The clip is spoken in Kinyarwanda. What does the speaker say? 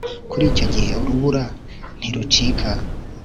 Kuri icyo gihe urubura ntirucika